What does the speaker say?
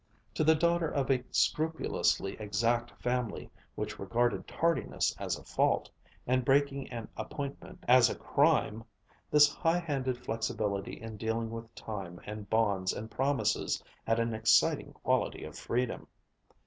To the daughter of a scrupulously exact family, which regarded tardiness as a fault, and breaking an appointment as a crime, this high handed flexibility in dealing with time and bonds and promises had an exciting quality of freedom.